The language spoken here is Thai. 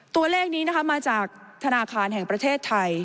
ตัวเลขนี้นะคะมาจากธนาคารแห่งประเทศไทย